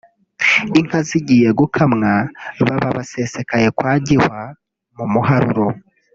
inka zigiye gukamwa baba basesekaye kwa Gihwa mu muharuro